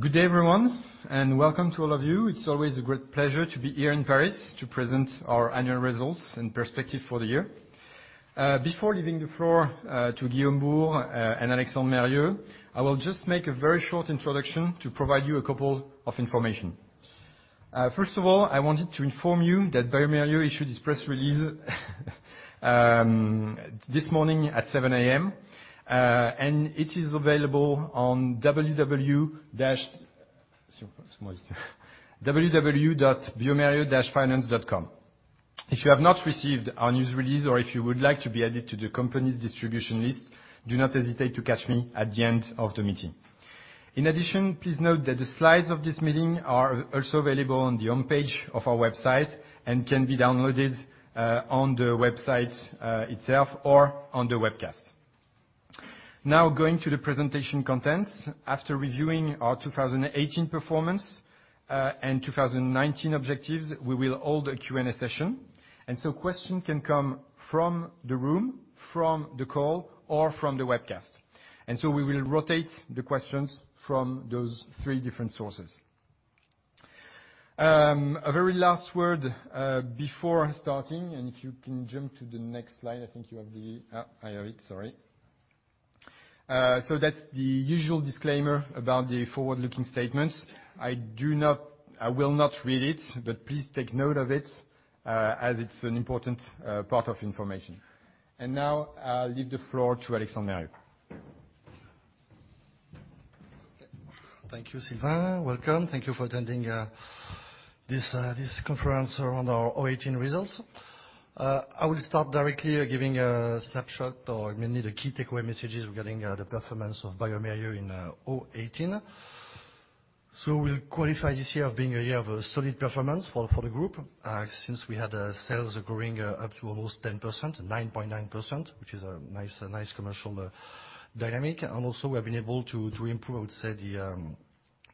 Good day, everyone, and welcome to all of you. It's always a great pleasure to be here in Paris to present our annual results and perspective for the year. Before leaving the floor to Guillaume Bouhours and Alexandre Mérieux, I will just make a very short introduction to provide you a couple of information. First of all, I wanted to inform you that bioMérieux issued this press release this morning at 7:00 A.M. It is available on www.biomerieux-finance.com. If you have not received our news release or if you would like to be added to the company's distribution list, do not hesitate to catch me at the end of the meeting. In addition, please note that the slides of this meeting are also available on the home page of our website, and can be downloaded on the website itself or on the webcast. Going to the presentation contents. After reviewing our 2018 performance and 2019 objectives, we will hold a Q&A session. Questions can come from the room, from the call, or from the webcast. We will rotate the questions from those three different sources. A very last word before starting, if you can jump to the next slide, I think you have the I have it, sorry. That's the usual disclaimer about the forward-looking statements. I will not read it, but please take note of it, as it's an important part of information. Now I'll leave the floor to Alexandre Mérieux. Thank you, Sylvain. Welcome. Thank you for attending this conference around our 2018 results. I will start directly giving a snapshot or mainly the key takeaway messages regarding the performance of bioMérieux in 2018. We'll qualify this year of being a year of solid performance for the group, since we had sales growing up to almost 10%, 9.9%, which is a nice commercial dynamic. Also we have been able to improve, I would say, the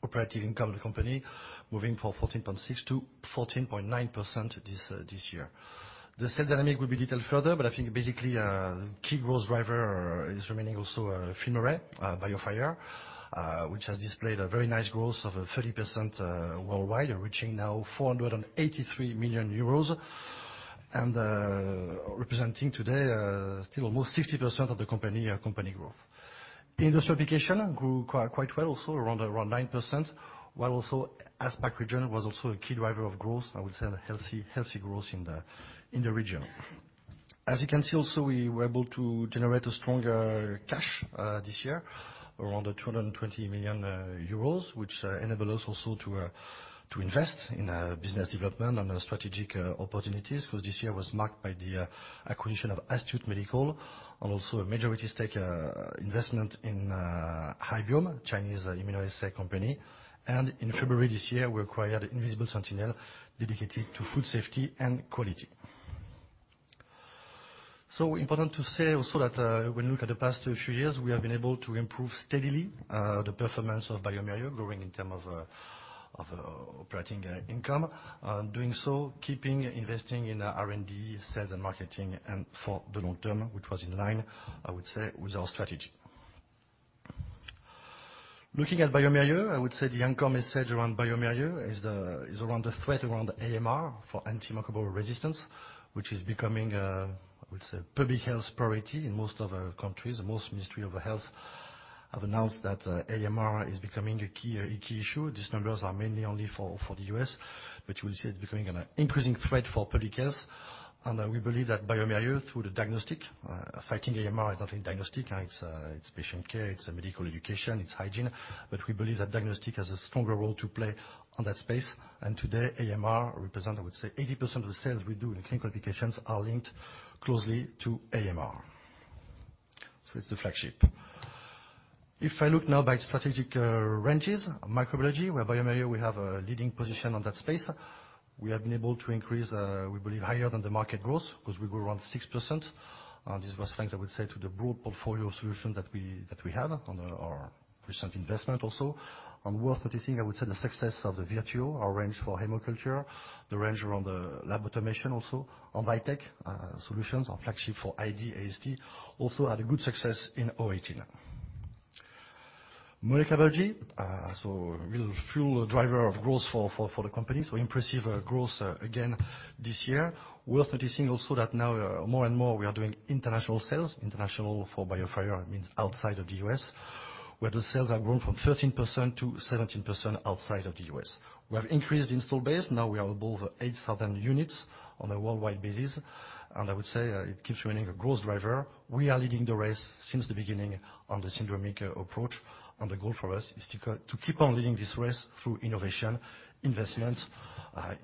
operating income of the company, moving from 14.6%-14.9% this year. The sales dynamic will be detailed further, but I think basically, key growth driver is remaining also FilmArray, BioFire, which has displayed a very nice growth of 30% worldwide, reaching now 483 million euros, and representing today still almost 60% of the company growth. Industrial application grew quite well also, around 9%, while also APAC region was also a key driver of growth. I would say a healthy growth in the region. As you can see also, we were able to generate a stronger cash, this year. Around 220 million euros, which enable us also to invest in business development and strategic opportunities, because this year was marked by the acquisition of Astute Medical and also a majority stake investment in Hybiome, a Chinese immunoassay company. In February this year, we acquired Invisible Sentinel, dedicated to food safety and quality. Important to say also that when you look at the past few years, we have been able to improve steadily the performance of bioMérieux, growing in term of operating income. Doing so, keeping investing in R&D, sales and marketing, and for the long term, which was in line, I would say, with our strategy. Looking at bioMérieux, I would say the anchor message around bioMérieux is around the threat around AMR, for antimicrobial resistance, which is becoming a public health priority in most of our countries. Most Ministry of Health have announced that AMR is becoming a key issue. These numbers are mainly only for the U.S., but you will see it's becoming an increasing threat for public health. We believe that bioMérieux, through the diagnostics, fighting AMR is not only diagnostics, it's patient care, it's medical education, it's hygiene, but we believe that diagnostics has a stronger role to play on that space. Today, AMR represent, I would say 80% of the sales we do in clinical applications are linked closely to AMR. It's the flagship. If I look now by strategic ranges, microbiology, where bioMérieux we have a leading position on that space. We have been able to increase, we believe higher than the market growth, because we were around 6%. This was thanks, I would say, to the broad portfolio solution that we have on our recent investment also. Worth noticing, I would say, the success of the VIRTUO, our range for hémoculture, the range around the lab automation also. VITEK solutions, our flagship for ID, AST, also had a good success in 2018. Molecular biology, real fuel driver of growth for the company. Impressive growth again this year. Worth noticing also that now more and more we are doing international sales. International for BioFire means outside of the U.S., where the sales have grown from 13%-17% outside of the U.S. We have increased install base. Now we are above 8,000 units on a worldwide basis. I would say it keeps remaining a growth driver. We are leading the race since the beginning on the syndromic approach. The goal for us is to keep on leading this race through innovation, investment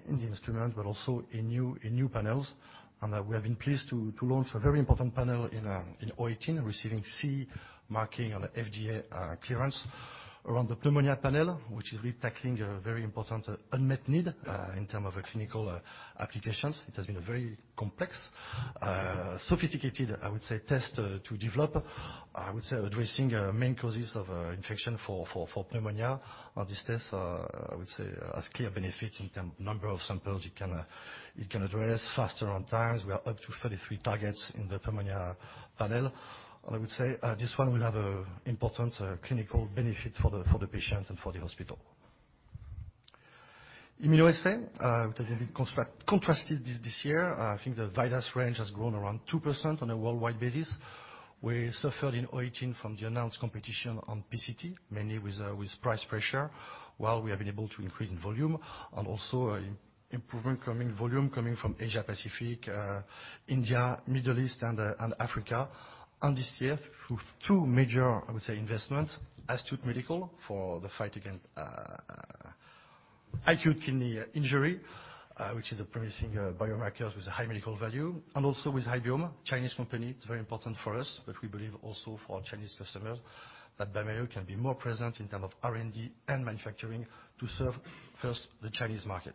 in the instrument, but also in new panels. We have been pleased to launch a very important panel in 2018, receiving CE marking on the FDA clearance around the Pneumonia Panel, which is really tackling a very important unmet need in term of clinical applications. It has been a very complex, sophisticated, I would say, test to develop. I would say addressing main causes of infection for pneumonia on this test, I would say, has clear benefits in term of number of samples it can address, faster on times. We are up to 33 targets in the Pneumonia Panel. I would say, this one will have an important clinical benefit for the patients and for the hospital. Immunoassays, which have been contrasted this year. I think the VIDAS range has grown around 2% on a worldwide basis. We suffered in 2018 from the announced competition on PCT, mainly with price pressure, while we have been able to increase in volume and also improvement coming volume, coming from Asia-Pacific, India, Middle East, and Africa. This year, through two major, I would say, investment, Astute Medical for the fight against acute kidney injury, which is a promising biomarker with high medical value, and also with Hybiome, Chinese company. It's very important for us, but we believe also for our Chinese customers that bioMérieux can be more present in term of R&D and manufacturing to serve first the Chinese market.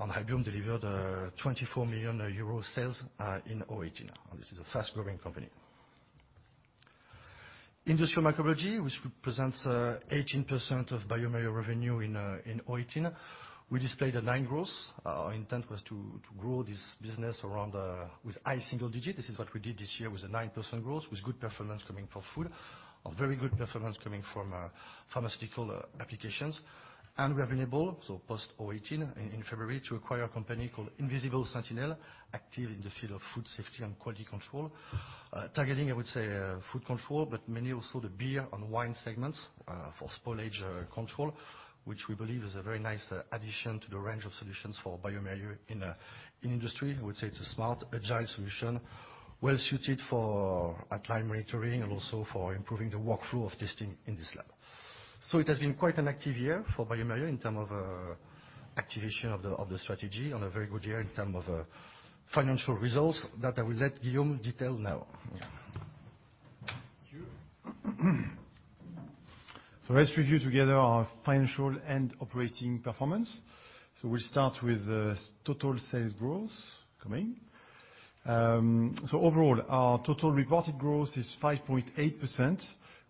Hybiome delivered 24 million euro sales in 2018. This is a fast-growing company. Industrial microbiology, which represents 18% of bioMérieux revenue in 2018, we displayed a 9% growth. Our intent was to grow this business with high single-digit. This is what we did this year with a 9% growth, with good performance coming from food, a very good performance coming from pharmaceutical applications. We have been able, post 2018, in February, to acquire a company called Invisible Sentinel, active in the field of food safety and quality control, targeting, I would say, food control, but mainly also the beer and wine segments for spoilage control, which we believe is a very nice addition to the range of solutions for bioMérieux in industry. I would say it's a smart, agile solution, well suited for applied monitoring and also for improving the workflow of testing in this lab. It has been quite an active year for bioMérieux in terms of activation of the strategy, and a very good year in terms of financial results that I will let Guillaume detail now. Thank you. Let's review together our financial and operating performance. We'll start with the total sales growth coming. Overall, our total reported growth is 5.8%,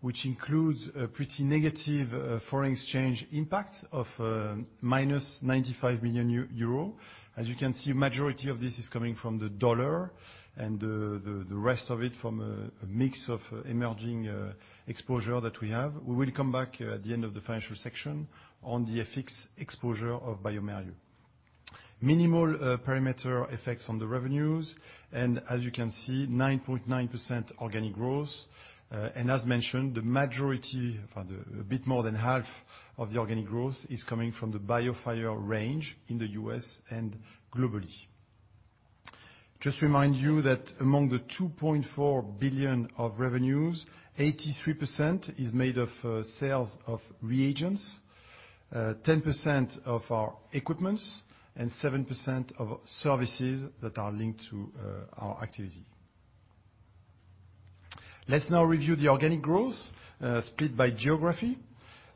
which includes a pretty negative foreign exchange impact of minus 95 million euro. As you can see, majority of this is coming from the dollar and the rest of it from a mix of emerging exposure that we have. We will come back at the end of the financial section on the FX exposure of bioMérieux. Minimal perimeter effects on the revenues, and as you can see, 9.9% organic growth. As mentioned, the majority, a bit more than half of the organic growth is coming from the bioMérieux range in the U.S. and globally. Just remind you that among the 2.4 billion of revenues, 83% is made of sales of reagents, 10% of our equipment, and 7% of services that are linked to our activity. Let's now review the organic growth split by geography.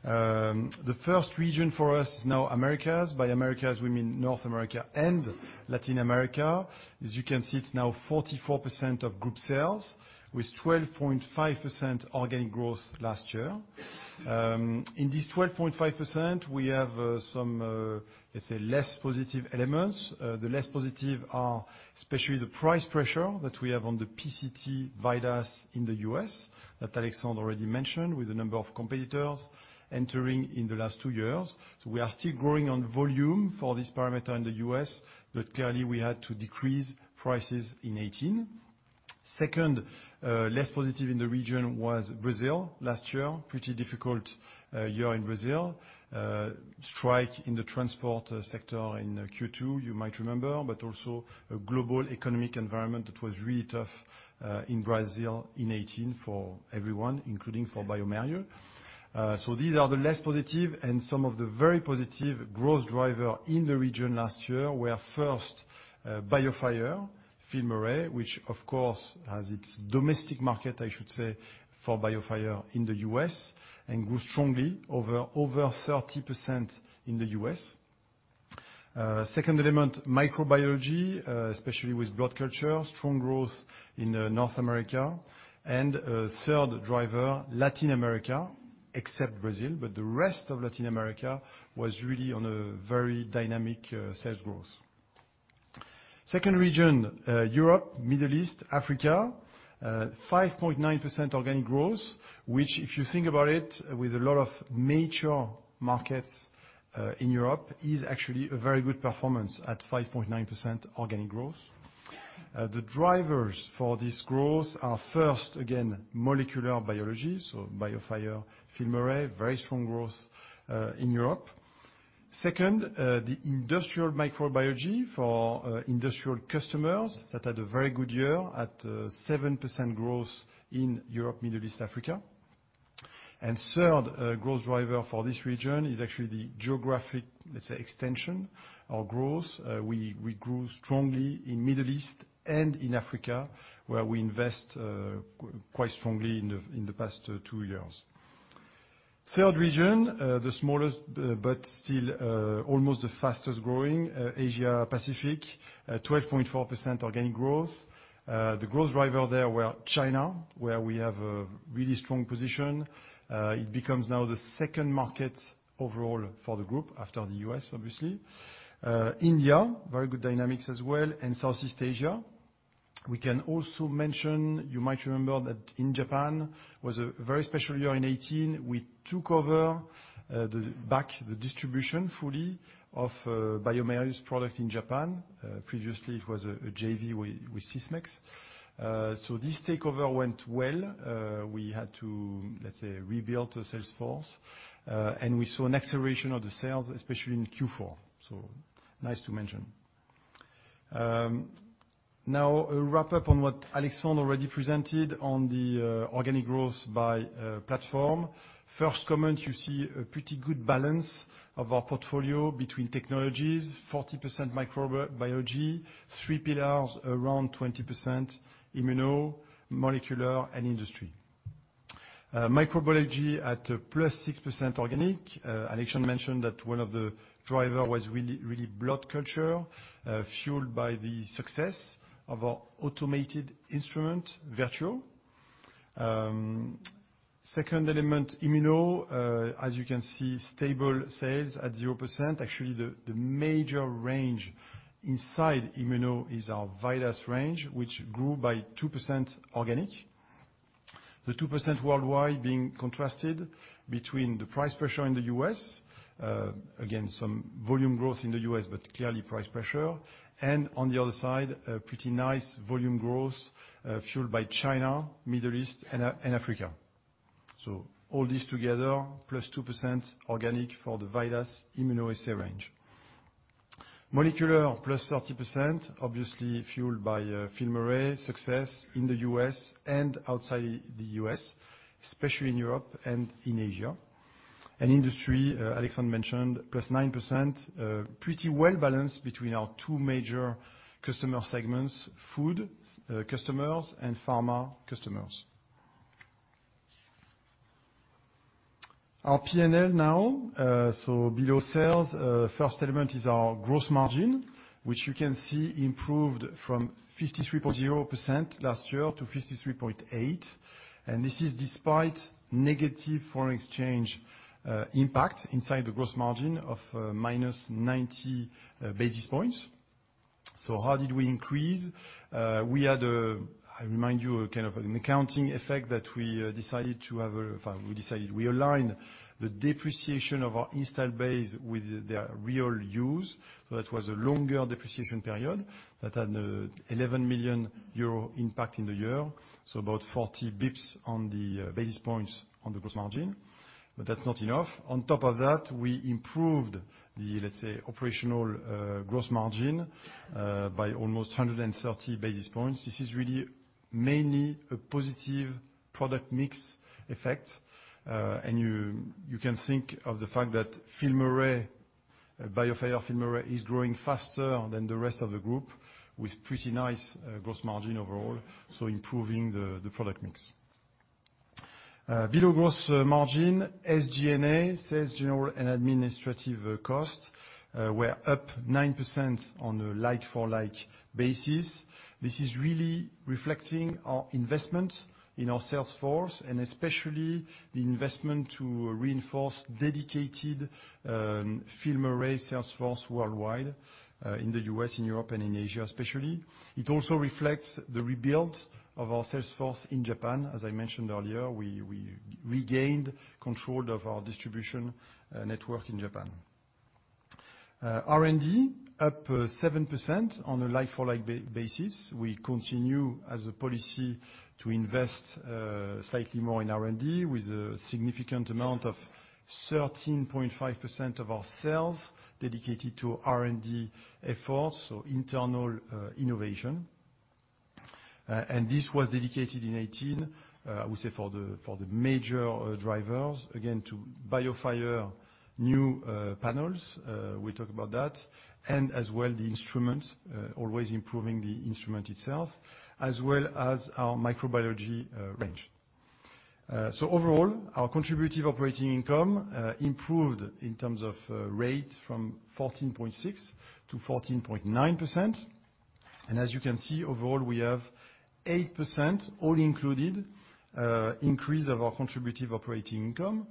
The first region for us, Americas. By Americas, we mean North America and Latin America. As you can see, it's now 44% of group sales, with 12.5% organic growth last year. In this 12.5%, we have some, let's say, less positive elements. The less positive are especially the price pressure that we have on the PCT VIDAS in the U.S. that Alexandre already mentioned, with a number of competitors entering in the last two years. We are still growing on volume for this parameter in the U.S., but clearly, we had to decrease prices in 2018. Second less positive in the region was Brazil last year. Pretty difficult year in Brazil. Strike in the transport sector in Q2, you might remember. Also a global economic environment that was really tough in Brazil in 2018 for everyone, including for bioMérieux. These are the less positive, and some of the very positive growth driver in the region last year were, first, bioMérieux FilmArray, which of course has its domestic market, I should say, for bioMérieux in the U.S. and grew strongly over 30% in the U.S. Second element, microbiology, especially with blood culture, strong growth in North America. Third driver, Latin America, except Brazil, but the rest of Latin America was really on a very dynamic sales growth. Second region, Europe, Middle East, Africa, 5.9% organic growth, which if you think about it with a lot of major markets in Europe, is actually a very good performance at 5.9% organic growth. The drivers for this growth are, first again, molecular biology, so bioMérieux FilmArray, very strong growth in Europe. Second, the industrial microbiology for industrial customers that had a very good year at 7% growth in Europe, Middle East, Africa. Third growth driver for this region is actually the geographic, let's say, extension or growth. We grew strongly in Middle East and in Africa, where we invest quite strongly in the past two years. Third region, the smallest but still almost the fastest-growing, Asia Pacific, 12.4% organic growth. The growth driver there were China, where we have a really strong position. It becomes now the second market overall for the group after the U.S., obviously. India, very good dynamics as well, and Southeast Asia. We can also mention, you might remember that in Japan was a very special year in 2018. We took over back the distribution fully of bioMérieux product in Japan. Previously, it was a JV with Sysmex. This takeover went well. We had to, let's say, rebuild the sales force, and we saw an acceleration of the sales, especially in Q4. Nice to mention. Now, a wrap-up on what Alexandre already presented on the organic growth by platform. First comment, you see a pretty good balance of our portfolio between technologies, 40% microbiology, three pillars, around 20% immuno, molecular, and industry. Microbiology at plus 6% organic. Alexandre mentioned that one of the driver was really blood culture, fueled by the success of our automated instrument VIRTUO. Second element, immuno, as you can see, stable sales at 0%. Actually, the major range inside immuno is our VIDAS range, which grew by 2% organic. The 2% worldwide being contrasted between the price pressure in the U.S., again, some volume growth in the U.S., but clearly price pressure, and on the other side, a pretty nice volume growth, fueled by China, Middle East, and Africa. All this together, plus 2% organic for the VIDAS immunoassay range. Molecular plus 30%, obviously fueled by FilmArray success in the U.S. and outside the U.S., especially in Europe and in Asia. Industry, Alexandre mentioned plus 9%, pretty well-balanced between our two major customer segments, food customers and pharma customers. Our P&L now. Below sales, first element is our gross margin, which you can see improved from 53.0% last year to 53.8%. This is despite negative foreign exchange impact inside the gross margin of minus 90 basis points. How did we increase? We had a, I remind you, an accounting effect that we decided we align the depreciation of our installed base with their real use. That was a longer depreciation period that had 11 million euro impact in the year, about 40 basis points on the basis points on the gross margin. That's not enough. On top of that, we improved the, let's say, operational gross margin by almost 130 basis points. This is really mainly a positive product mix effect. You can think of the fact that FilmArray, BioFire FilmArray, is growing faster than the rest of the group with pretty nice gross margin overall, so improving the product mix. Below gross margin, SG&A, sales general and administrative costs, were up 9% on a like-for-like basis. This is really reflecting our investment in our sales force and especially the investment to reinforce dedicated FilmArray sales force worldwide, in the U.S., in Europe, and in Asia, especially. It also reflects the rebuild of our sales force in Japan. As I mentioned earlier, we regained control of our distribution network in Japan. R&D up 7% on a like-for-like basis. We continue as a policy to invest slightly more in R&D with a significant amount of 13.5% of our sales dedicated to R&D efforts, so internal innovation. This was dedicated in 2018, I would say for the major drivers, again, to BioFire new panels. We talk about that. As well, the instrument, always improving the instrument itself, as well as our microbiology range. Overall, our contributive operating income improved in terms of rate from 14.6% to 14.9%. As you can see, overall, we have 8% all included increase of our contributive operating income,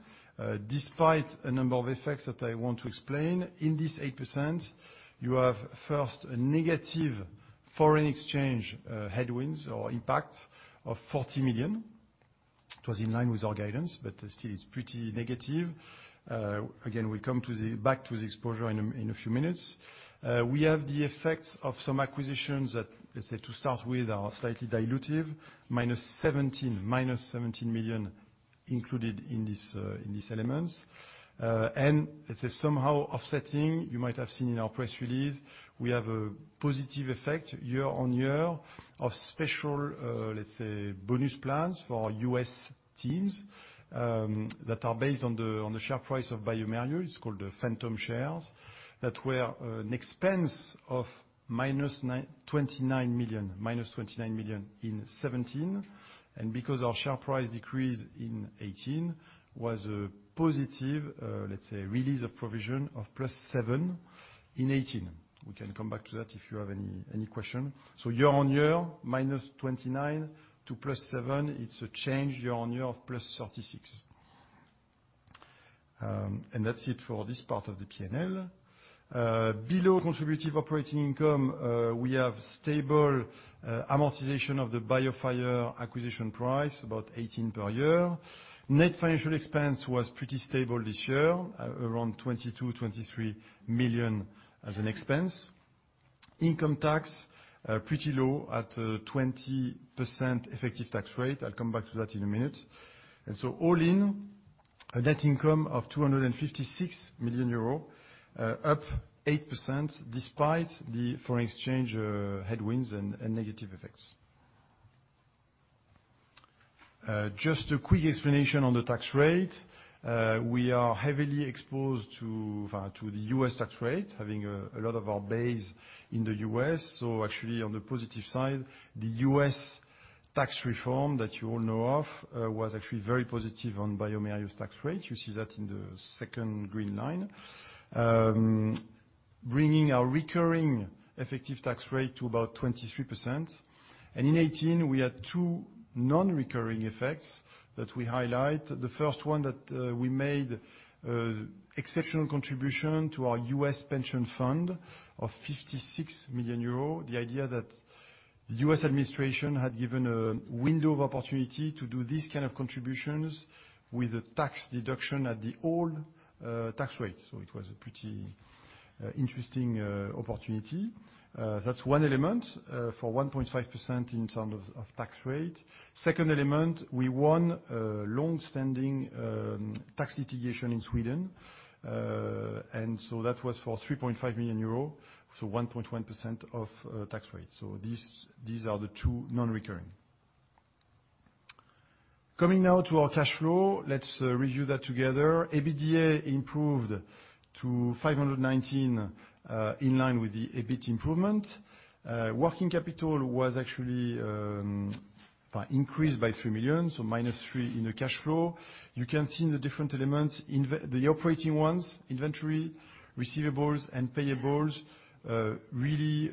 despite a number of effects that I want to explain. In this 8%, you have first a negative foreign exchange headwinds or impact of 40 million. It was in line with our guidance, still it's pretty negative. Again, we come back to the exposure in a few minutes. We have the effects of some acquisitions that, let's say to start with, are slightly dilutive, minus EUR 17 million included in this element. It is somehow offsetting, you might have seen in our press release, we have a positive effect year on year of special, let's say, bonus plans for our U.S. teams, that are based on the share price of bioMérieux. It's called the phantom shares, that were an expense of minus 29 million in 2017. Because our share price decreased in 2018 was a positive, let's say, release of provision of plus 7 in 2018. We can come back to that if you have any question. Year on year, minus 29 to plus 7, it's a change year on year of plus 36. That's it for this part of the P&L. Below contributive operating income, we have stable amortization of the BioFire acquisition price, about 18 per year. Net financial expense was pretty stable this year, around 22 million-23 million as an expense. Income tax, pretty low at 20% effective tax rate. I'll come back to that in a minute. All in, a net income of 256 million euro, up 8%, despite the foreign exchange headwinds and negative effects. Just a quick explanation on the tax rate. We are heavily exposed to the U.S. tax rate, having a lot of our base in the U.S. Actually, on the positive side, the U.S. tax reform that you all know of was actually very positive on bioMérieux tax rate. You see that in the second green line, bringing our recurring effective tax rate to about 23%. In 2018, we had two non-recurring effects that we highlight. The first one, that we made exceptional contribution to our U.S. pension fund of 56 million euros. The idea that U.S. administration had given a window of opportunity to do this kind of contributions with a tax deduction at the old tax rate. It was a pretty interesting opportunity. That's one element for 1.5% in terms of tax rate. Second element, we won a longstanding tax litigation in Sweden, that was for 3.5 million euro, so 1.1% of tax rate. These are the two non-recurring. Coming now to our cash flow. Let's review that together. EBITDA improved to 519 million, in line with the EBIT improvement. Working capital was actually increased by 3 million, so minus 3 million in the cash flow. You can see the different elements. The operating ones, inventory, receivables, and payables, really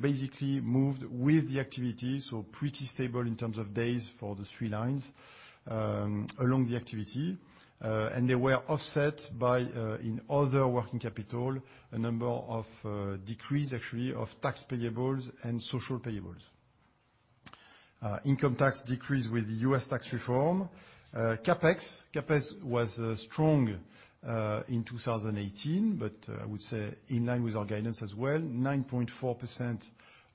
basically moved with the activity, so pretty stable in terms of days for the three lines along the activity. They were offset by, in other working capital, a number of decrease actually of tax payables and social payables. Income tax decreased with U.S. tax reform. CapEx. CapEx was strong, in 2018, but I would say in line with our guidance as well, 9.4%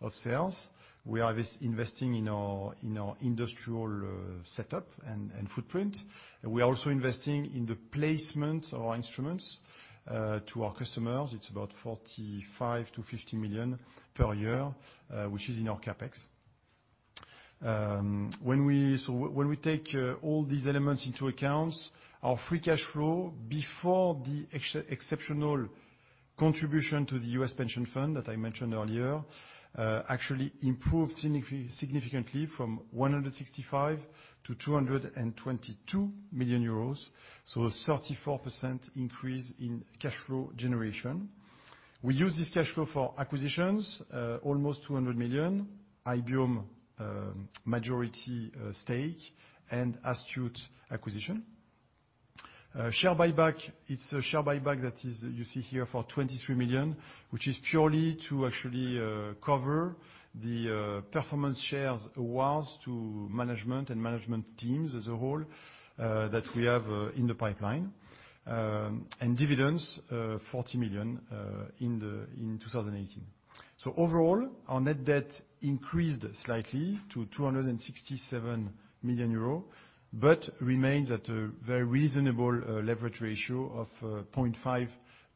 of sales. We are investing in our industrial setup and footprint. We are also investing in the placement of our instruments to our customers. It's about 45 million to 50 million per year, which is in our CapEx. When we take all these elements into account, our free cash flow before the exceptional contribution to the U.S. pension fund that I mentioned earlier actually improved significantly from 165 million to 222 million euros. A 34% increase in cash flow generation. We use this cash flow for acquisitions, almost 200 million, Hybiome majority stake, and Astute acquisition. Share buyback. It's a share buyback that you see here for 23 million, which is purely to actually cover the performance shares awards to management and management teams as a whole that we have in the pipeline. Dividends, 40 million in 2018. Overall, our net debt increased slightly to 267 million euro, but remains at a very reasonable leverage ratio of 0.5x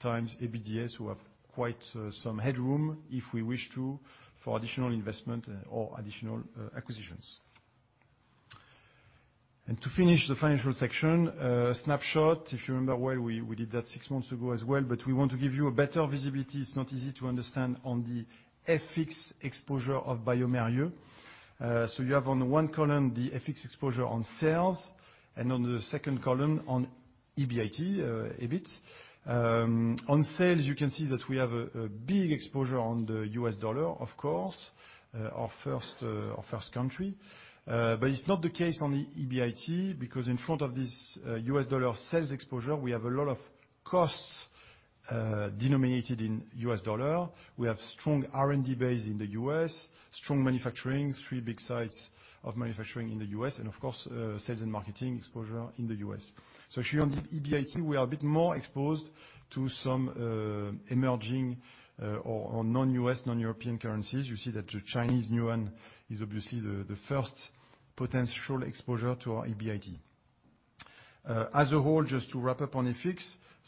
EBITDA. We have quite some headroom if we wish to for additional investment or additional acquisitions. To finish the financial section, a snapshot. If you remember well, we did that six months ago as well, but we want to give you a better visibility. It's not easy to understand on the FX exposure of bioMérieux. You have on one column the FX exposure on sales and on the second column on EBIT. On sales, you can see that we have a big exposure on the U.S. dollar, of course, our first country. It's not the case on the EBIT, because in front of this U.S. dollar sales exposure, we have a lot of costs denominated in U.S. dollar. We have strong R&D base in the U.S., strong manufacturing, three big sites of manufacturing in the U.S., and of course, sales and marketing exposure in the U.S. Actually on the EBIT, we are a bit more exposed to some emerging or non-U.S., non-European currencies. You see that the Chinese yuan is obviously the first potential exposure to our EBIT. As a whole, just to wrap up on FX.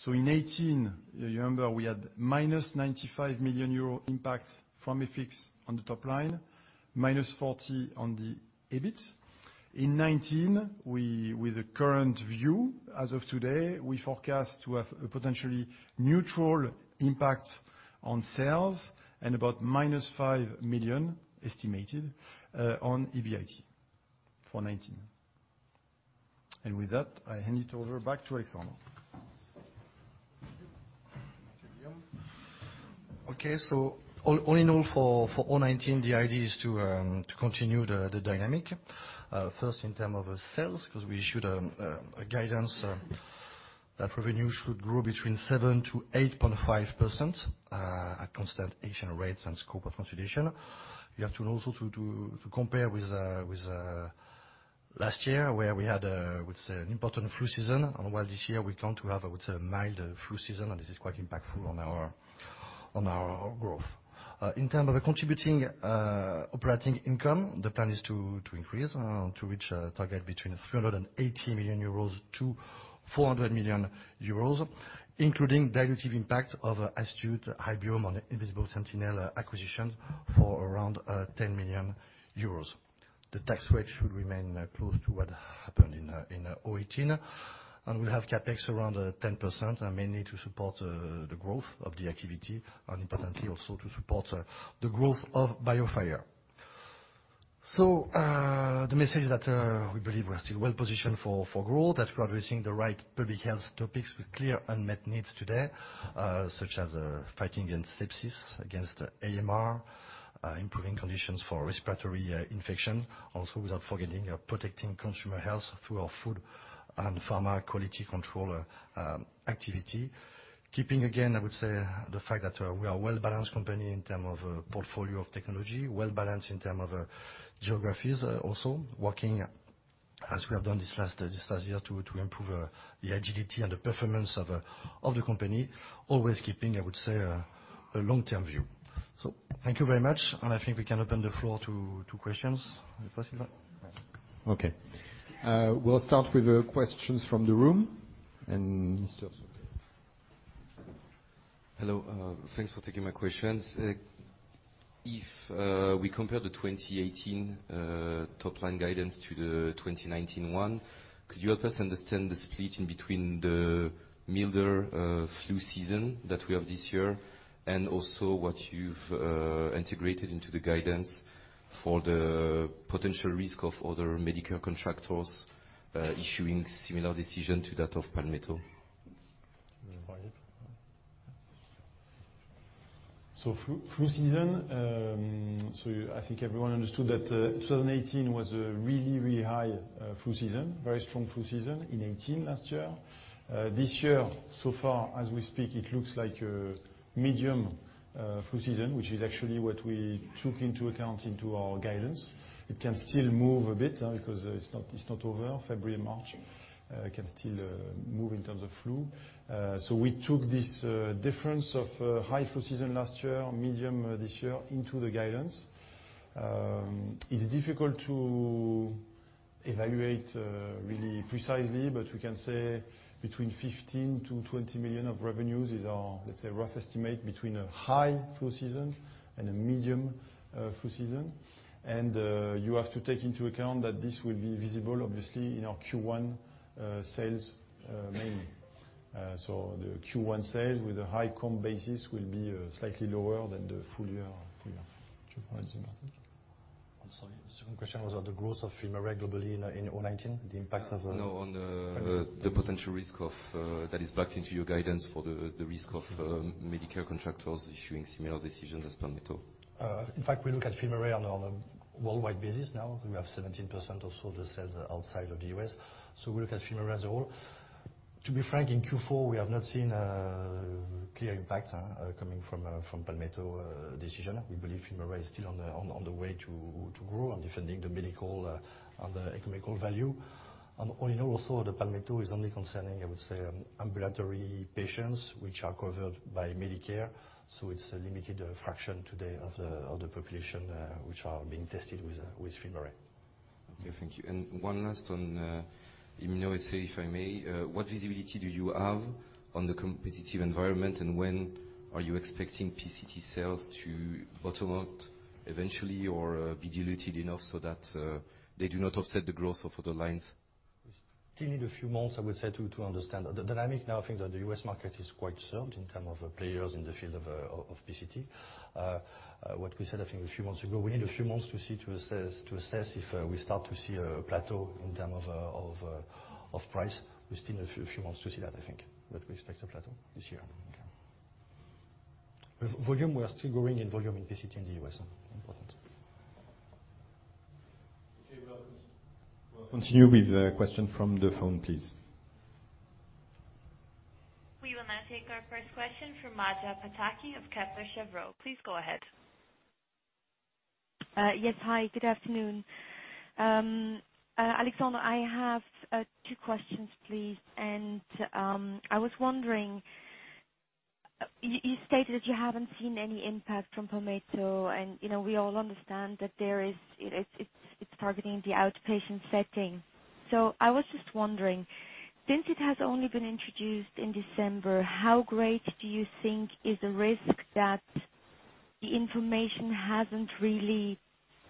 In 2018, you remember we had minus 95 million euros impact from FX on the top line, minus 40 on the EBIT. In 2019, with the current view as of today, we forecast to have a potentially neutral impact on sales and about minus 5 million estimated on EBIT for 2019. With that, I hand it over back to Alexandre. Okay. All in all for 2019, the idea is to continue the dynamic. First in terms of sales, because we issued a guidance that revenue should grow between 7%-8.5% at constant exchange rates and scope of consolidation. You have to also compare with last year, where we had an important flu season, and while this year we come to have a mild flu season, and this is quite impactful on our growth. In terms of contributive operating income, the plan is to increase, to reach a target between 380 million-400 million euros, including dilutive impact of Astute, Hybiome and Invisible Sentinel acquisitions for around 10 million euros. The tax rate should remain close to what happened in 2018, and we'll have CapEx around 10%, mainly to support the growth of the activity, and importantly also to support the growth of BioFire. The message that we believe we are still well positioned for growth, that we are addressing the right public health topics with clear unmet needs today, such as fighting against sepsis, against AMR, improving conditions for respiratory infection, also without forgetting protecting consumer health through our food and pharma quality control activity. Keeping again, I would say, the fact that we are a well-balanced company in terms of portfolio of technology, well-balanced in terms of geographies also. Working, as we have done this last year, to improve the agility and the performance of the company. Always keeping a long-term view. Thank you very much, I think we can open the floor to questions. Is that possible? Yes. Okay. We'll start with questions from the room, just. Hello, thanks for taking my questions. If we compare the 2018 top line guidance to the 2019 one, could you help us understand the split in between the milder flu season that we have this year, and also what you've integrated into the guidance for the potential risk of other Medicare contractors issuing similar decision to that of Palmetto? You mean by it? Flu season, I think everyone understood that 2018 was a really high flu season, very strong flu season in 2018 last year. This year, so far as we speak, it looks like a medium flu season, which is actually what we took into account into our guidance. It can still move a bit, because it's not over, February, March. It can still move in terms of flu. We took this difference of high flu season last year, medium this year, into the guidance. It's difficult to evaluate really precisely, but we can say between 15 million-20 million of revenues is our, let's say, rough estimate between a high flu season and a medium flu season. You have to take into account that this will be visible, obviously, in our Q1 sales mainly. The Q1 sales with a high comp basis will be slightly lower than the full year. Do you want to say something? I'm sorry, second question was on the growth of FilmArray globally in 2019, the impact of. No, on the potential risk of that is backed into your guidance for the risk of Medicare contractors issuing similar decisions as Palmetto. In fact, we look at FilmArray on a worldwide basis now. We have 17% or so of the sales outside of the U.S., so we look at FilmArray as a whole. To be frank, in Q4, we have not seen a clear impact coming from Palmetto decision. We believe FilmArray is still on the way to grow and defending the medical and the economical value. All in all, also, the Palmetto is only concerning, I would say, ambulatory patients, which are covered by Medicare, so it's a limited fraction today of the population which are being tested with FilmArray. Okay, thank you. One last on immunoassay, if I may. What visibility do you have on the competitive environment, and when are you expecting PCT sales to bottom out eventually, or be diluted enough so that they do not offset the growth of other lines? We still need a few months, I would say, to understand the dynamic. Now, I think that the U.S. market is quite served in terms of players in the field of PCT. What we said, I think, a few months ago, we need a few months to assess if we start to see a plateau in terms of price. We still need a few months to see that, I think, but we expect a plateau this year. With volume, we are still growing in volume in PCT in the U.S. Important. Okay. We'll continue with a question from the phone, please. We will now take our first question from Maja Pataki of Kepler Cheuvreux. Please go ahead. Yes, hi. Good afternoon. Alexandre, I have two questions, please. I was wondering, you stated that you haven't seen any impact from Palmetto, and we all understand that it's targeting the outpatient setting. I was just wondering, since it has only been introduced in December, how great do you think is the risk that the information hasn't really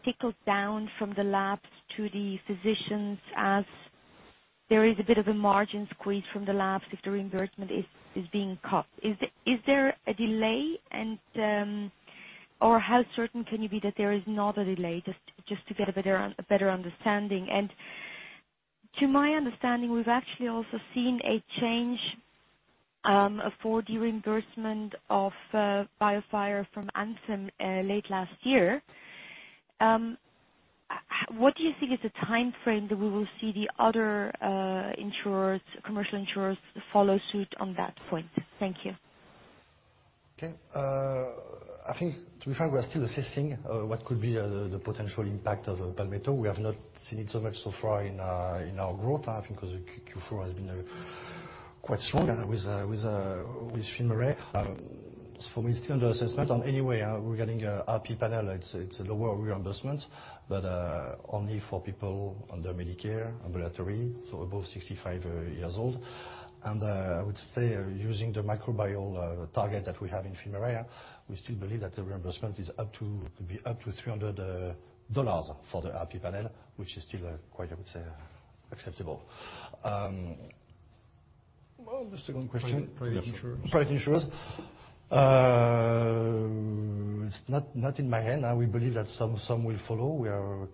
trickled down from the labs to the physicians, as there is a bit of a margin squeeze from the labs if the reimbursement is being cut? Is there a delay? Or how certain can you be that there is not a delay, just to get a better understanding? To my understanding, we've actually also seen a change for the reimbursement of BioFire from Anthem late last year. What do you think is the time frame that we will see the other commercial insurers follow suit on that point? Thank you. Okay. I think, to be fair, we are still assessing what could be the potential impact of Palmetto. We have not seen it so much so far in our growth, I think because Q4 has been quite strong with FilmArray. For me, still under assessment on any way regarding RP panel, it's a lower reimbursement, but only for people under Medicare, ambulatory, so above 65 years old. I would say, using the microbial target that we have in FilmArray, we still believe that the reimbursement could be up to $300 for the RP panel, which is still quite acceptable. Second question? Private insurers. Private insurers. It's not in my hand. We believe that some will follow.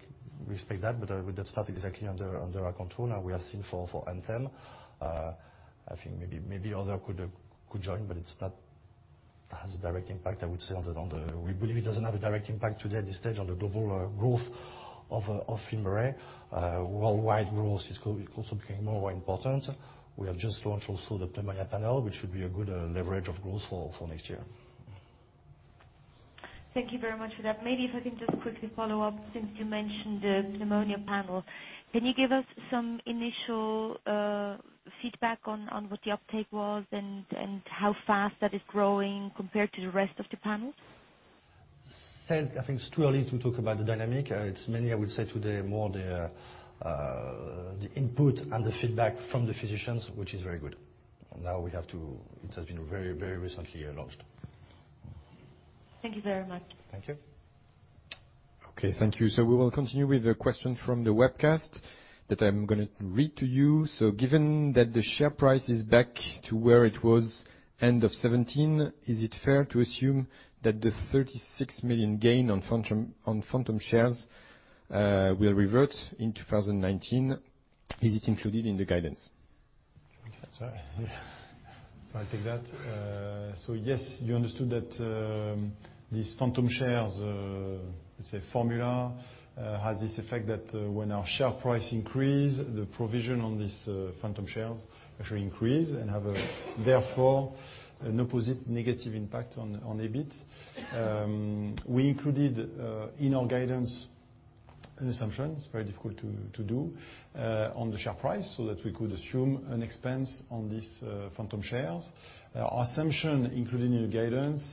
We expect that's not exactly under our control. Now we are seeing for Anthem. I think maybe other could join, it's not has a direct impact, I would say. We believe it doesn't have a direct impact today at this stage on the global growth of FilmArray. Worldwide growth is also becoming more and more important. We have just launched also the Pneumonia Panel, which should be a good leverage of growth for next year. Thank you very much for that. Maybe if I can just quickly follow up, since you mentioned the Pneumonia Panel. Can you give us some initial feedback on what the uptake was and how fast that is growing compared to the rest of the panels? I think it's too early to talk about the dynamic. It's mainly, I would say today, more the input and the feedback from the physicians, which is very good. Now it has been very recently launched. Thank you very much. Thank you. Okay, thank you. We will continue with the question from the webcast that I'm going to read to you. Given that the share price is back to where it was end of 2017, is it fair to assume that the 36 million gain on phantom shares will revert in 2019? Is it included in the guidance? I'll take that. Yes, you understood that these phantom shares, it's a formula, has this effect that when our share price increases, the provision on these phantom shares actually increases and has a, therefore, an opposite negative impact on EBIT. We included in our guidance an assumption, it's very difficult to do, on the share price so that we could assume an expense on these phantom shares. Our assumption, including your guidance,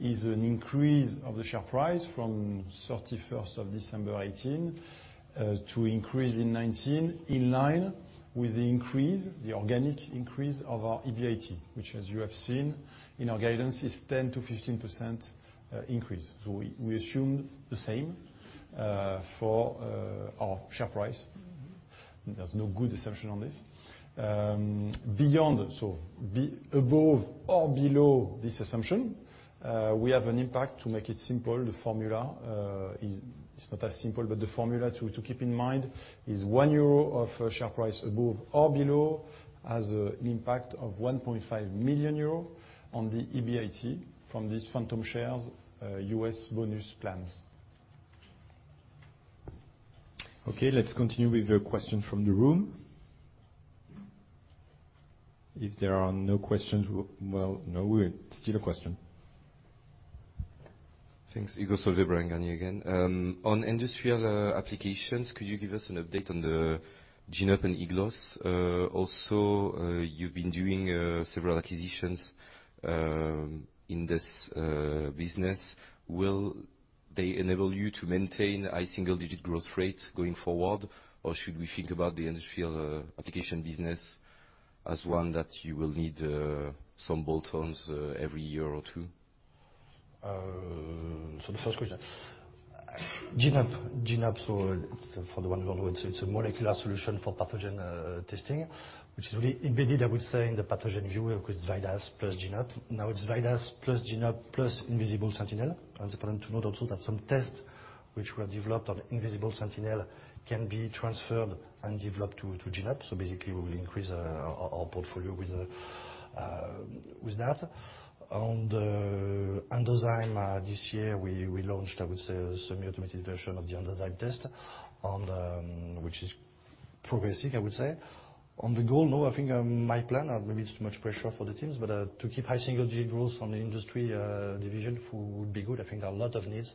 is an increase of the share price from December 31, 2018 to increase in 2019, in line with the increase, the organic increase of our EBIT, which as you have seen in our guidance, is 10%-15% increase. We assume the same for our share price. There's no good assumption on this. Above or below this assumption, we have an impact to make it simple. The formula is not as simple, the formula to keep in mind is 1 euro of share price above or below has an impact of 1.5 million euro on the EBIT from these phantom shares, U.S. bonus plans. Okay, let's continue with the question from the room. If there are no questions, no, we have still a question. Thanks. Igor Soloviev, Berenberg again. On industrial applications, could you give us an update on the GENE-UP and ENDOZYME? You've been doing several acquisitions in this business. Will they enable you to maintain high single-digit growth rates going forward? Or should we think about the industrial application business as one that you will need some bolt-ons every year or two? The first question. GENE-UP, for the ones who don't know, it's a molecular solution for pathogen testing, which is really embedded, I would say, in the pathogen view with VIDAS plus GENE-UP. Now it's VIDAS plus GENE-UP plus Invisible Sentinel. It's important to note also that some tests which were developed on Invisible Sentinel can be transferred and developed to GENE-UP. Basically, we will increase our portfolio with that. On ENDOZYME, this year, we launched, I would say, a semi-automated version of the ENDOZYME test, which is progressing, I would say. On the goal, I think my plan, or maybe it's too much pressure for the teams, but to keep high single-digit growth on the industry division would be good. I think there are a lot of needs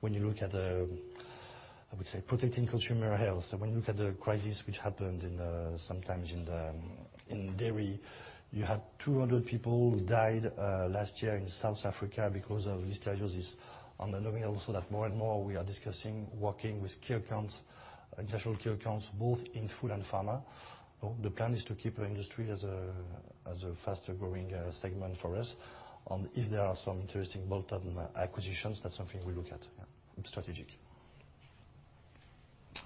when you look at, I would say, protecting consumer health. When you look at the crisis which happened sometimes in dairy, you had 200 people who died last year in South Africa because of listeriosis. Knowing also that more and more we are discussing working with care accounts, international care accounts, both in food and pharma. The plan is to keep our industry as a faster-growing segment for us. If there are some interesting bolt-on acquisitions, that's something we look at strategically.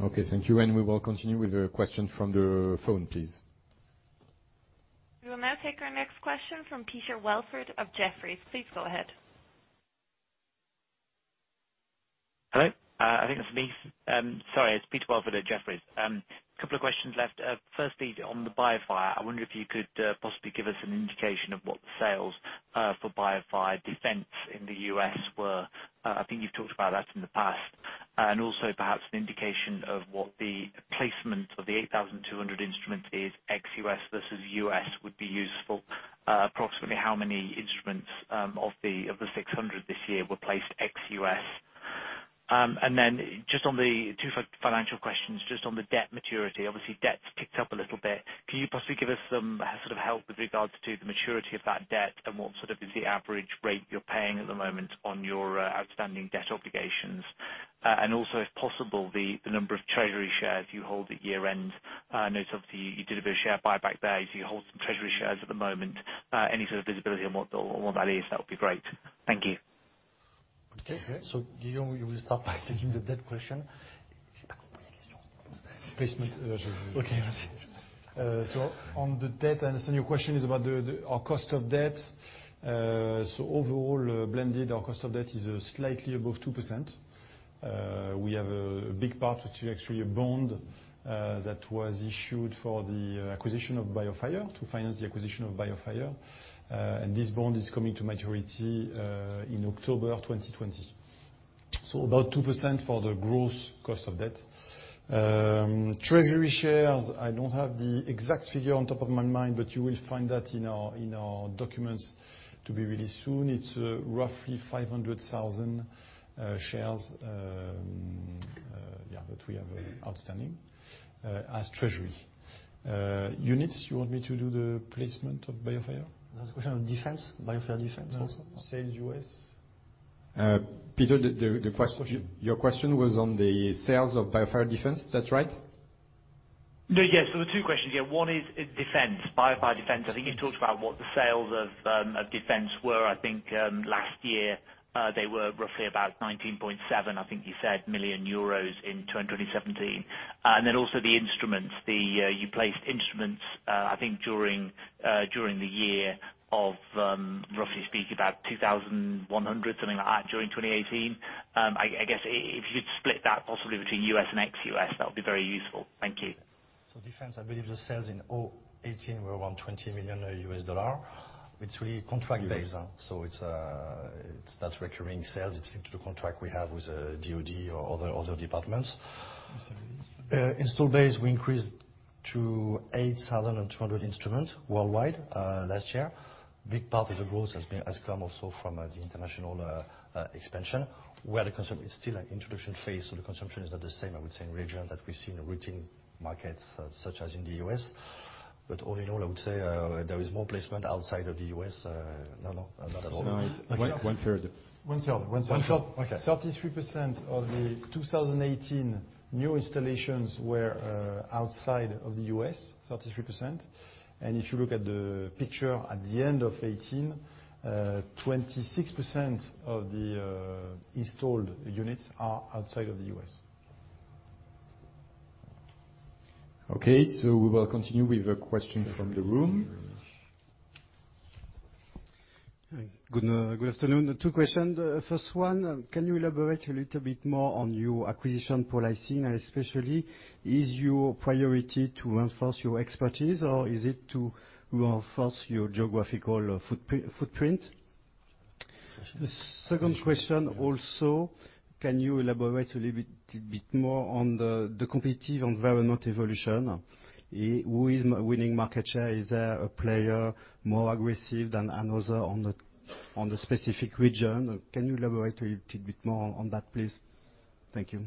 Okay, thank you. We will continue with the question from the phone, please. We will now take our next question from Peter Welford of Jefferies. Please go ahead. Hello. I think that's me. Sorry, it's Peter Welford, Jefferies. Couple of questions left. Firstly, on the BioFire, I wonder if you could possibly give us an indication of what the sales for BioFire Defense in the U.S. were. I think you've talked about that in the past. Also, perhaps an indication of what the placement of the 8,200 instrument is ex-U.S. versus U.S. would be useful. Approximately how many instruments, of the 600 this year, were placed ex-U.S.? Then, two financial questions. Just on the debt maturity, obviously debt's ticked up a little bit. Can you possibly give us some sort of help with regards to the maturity of that debt and what sort of is the average rate you're paying at the moment on your outstanding debt obligations? Also, if possible, the number of treasury shares you hold at year-end. I know you did a bit of share buyback there, you hold some treasury shares at the moment. Any sort of visibility on what that is, that would be great. Thank you. Okay. Guillaume, you will start by taking the debt question. Placement. Okay. On the debt, I understand your question is about our cost of debt. Overall, blended, our cost of debt is slightly above 2%. We have a big part, which is actually a bond, that was issued for the acquisition of BioFire, to finance the acquisition of BioFire. This bond is coming to maturity in October 2020. About 2% for the gross cost of debt. Treasury shares, I don't have the exact figure on top of my mind, but you will find that in our documents to be released soon. It's roughly 500,000 shares that we have outstanding as treasury. Units, you want me to do the placement of BioFire? The question of Defense, BioFire Defense also. Sales U.S. Peter, your question was on the sales of BioFire Defense, that's right? The two questions. One is Defense, BioFire Defense. I think you talked about what the sales of Defense were. I think last year, they were roughly about 19.7 million, I think you said, in 2017. The instruments, you placed instruments, I think during the year of, roughly speaking, about 2,100, something like that, during 2018. I guess if you'd split that possibly between U.S. and ex-U.S., that would be very useful. Thank you. Defense, I believe the sales in all 2018 were around $20 million. It's really contract-based. That's recurring sales. It's the contract we have with DoD or other departments. Installed base, we increased to 8,200 instruments worldwide last year. Big part of the growth has come also from the international expansion, where the consumption is still an introduction phase, so the consumption is not the same, I would say, in regions that we see in routine markets such as in the U.S. All in all, I would say there is more placement outside of the U.S. No, not at all. One third. One third. One third. Okay. 33% of the 2018 new installations were outside of the U.S., 33%. If you look at the picture at the end of 2018, 26% of the installed units are outside of the U.S. Okay. We will continue with a question from the room. Good afternoon. Two questions. First one, can you elaborate a little bit more on your acquisition policy, and especially is your priority to enforce your expertise or is it to enforce your geographical footprint? Second question also, can you elaborate a little bit more on the competitive environment evolution? Who is winning market share? Is there a player more aggressive than another on the specific region? Can you elaborate a little bit more on that, please? Thank you.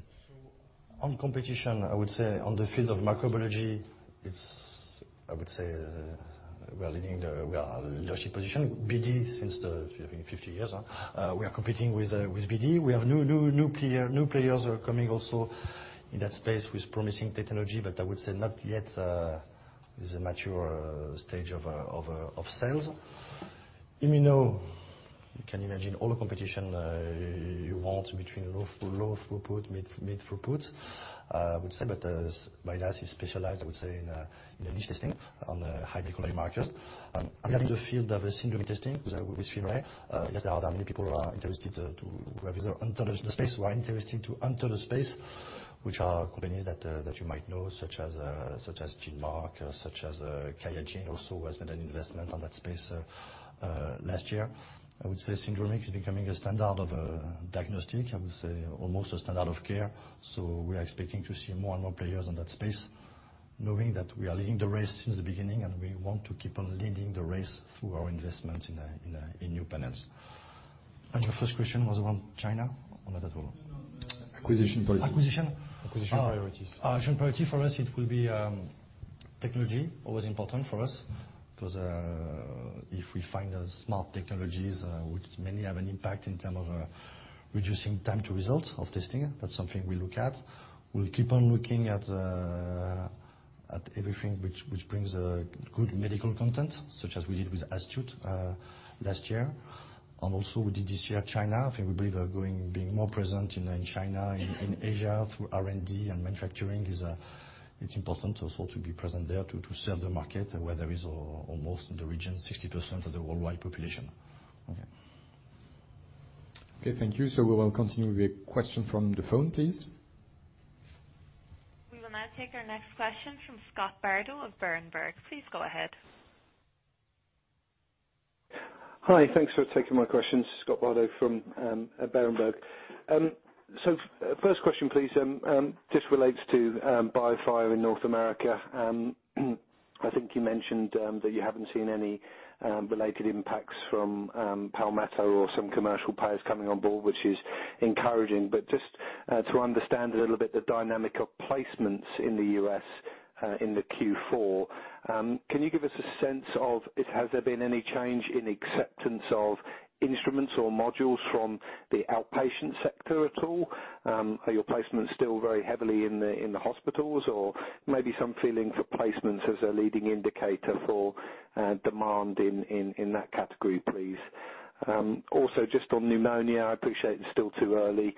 On competition, I would say on the field of microbiology, I would say we are in a leadership position. BD, since the 50 years, we are competing with BD. We have new players are coming also in that space with promising technology, but I would say not yet is a mature stage of sales. Immuno, you can imagine all the competition you want between low throughput, mid throughput. I would say, but that is specialized in niche testing on high biomarkers. In the field of syndromic testing with FilmArray, yes, there are many people who are interested to enter the space, which are companies that you might know such as GenMark, such as QIAGEN also has made an investment on that space last year. I would say syndromics is becoming a standard of diagnostic, I would say almost a standard of care. We are expecting to see more and more players on that space, knowing that we are leading the race since the beginning and we want to keep on leading the race through our investment in new panels. Your first question was around China? Not at all? Acquisition priorities. Acquisition priority for us, it will be technology. Always important for us, because if we find smart technologies which mainly have an impact in term of reducing time to result of testing, that's something we look at. We'll keep on looking at everything which brings good medical content, such as we did with Astute last year. Also we did this year, China. I think we believe being more present in China, in Asia through R&D and manufacturing, it's important also to be present there to serve the market where there is almost in the region, 60% of the worldwide population. Okay. Thank you. We will continue with a question from the phone, please. We will now take our next question from Scott Bardo of Berenberg. Please go ahead. Hi, thanks for taking my questions. Scott Bardo from Berenberg. First question, please, just relates to BioFire in North America. I think you mentioned that you haven't seen any related impacts from Palmetto or some commercial payers coming on board, which is encouraging. But just to understand a little bit the dynamic of placements in the U.S. in the Q4, can you give us a sense of has there been any change in acceptance of instruments or modules from the outpatient sector at all? Are your placements still very heavily in the hospitals? Or maybe some feeling for placements as a leading indicator for demand in that category, please. Also, just on pneumonia, I appreciate it's still too early.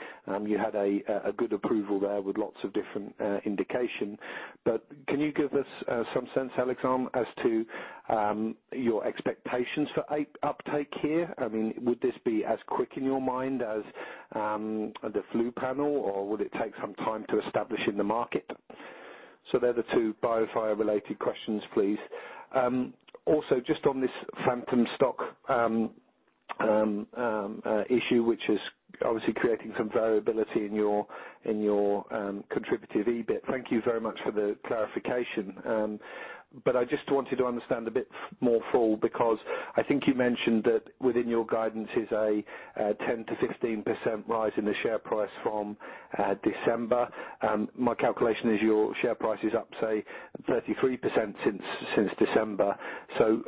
You had a good approval there with lots of different indication, but can you give us some sense, Alexandre, as to your expectations for uptake here? Would this be as quick in your mind as the flu panel, or would it take some time to establish in the market? They're the two BioFire-related questions, please. Also, just on this phantom shares issue, which is obviously creating some variability in your contributive EBIT. Thank you very much for the clarification. But I just wanted to understand a bit more full, because I think you mentioned that within your guidance is a 10%-16% rise in the share price from December. My calculation is your share price is up, say, 33% since December.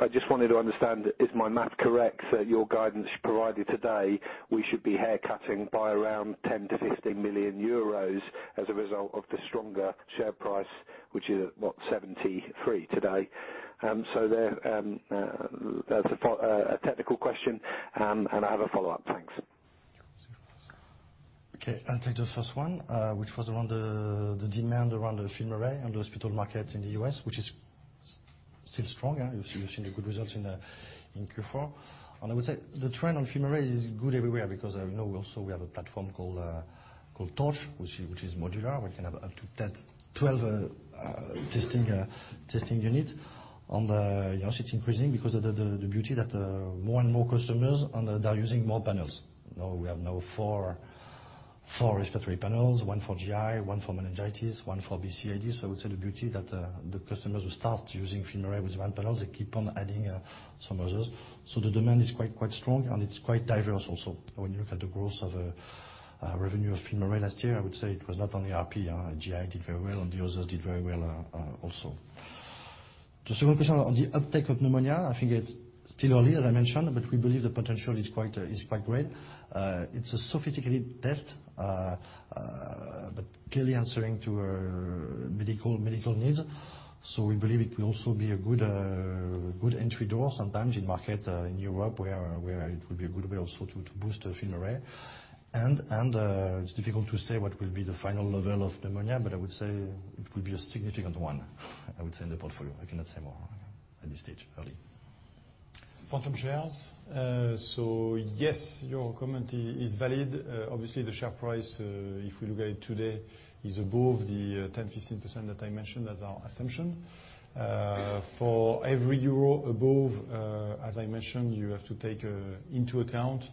I just wanted to understand, is my math correct? Your guidance provided today, we should be haircutting by around 10 million-15 million euros as a result of the stronger share price, which is at, what, 73 today? That's a technical question, and I have a follow-up. Thanks. Okay, I'll take the first one, which was around the demand around the FilmArray and the hospital market in the U.S., which is still strong. You've seen the good results in Q4. I would say the trend on FilmArray is good everywhere, because I know also we have a platform called Torch, which is modular. We can have up to 12 testing units. It's increasing because of the beauty that more and more customers are now using more panels. Now we have four respiratory panels, one for GI, one for meningitis, one for BCID. I would say the beauty that the customers who start using FilmArray with one panel, they keep on adding some others. The demand is quite strong, and it's quite diverse also. When you look at the growth of revenue of FilmArray last year, I would say it was not only RP. GI did very well, the others did very well also. The second question on the uptake of pneumonia, I think it's still early, as I mentioned, we believe the potential is quite great. It's a sophisticated test, clearly answering to medical needs. We believe it will also be a good entry door sometimes in market in Europe, where it will be a good way also to boost FilmArray. It's difficult to say what will be the final level of pneumonia, I would say it will be a significant one, I would say, in the portfolio. I cannot say more at this stage early. phantom shares. Yes, your comment is valid. Obviously, the share price, if we look at it today, is above the 10%, 15% that I mentioned as our assumption. For every euro above, as I mentioned, you have to take into account